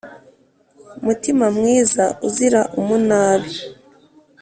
mutima mwiza uzira umunabi